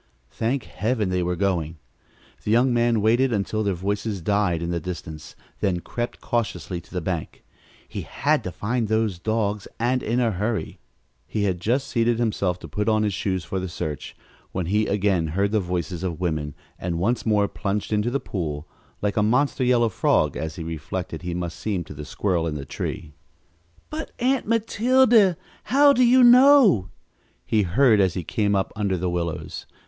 Thank Heaven they were going! The young man waited until their voices died in the distance, then crept cautiously to the bank. He had to find those dogs, and in a hurry. He had just seated himself to put on his shoes for the search, when he again heard the voices of women and once more plunged into the pool, like a monster yellow frog, as he reflected he must seem to the squirrel in the tree. "But, Aunt Matilda, how do you know?" he heard as he came up under the willows.